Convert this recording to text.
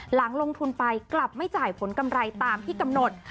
หลังลงทุนไปกลับไม่จ่ายผลกำไรตามที่กำหนด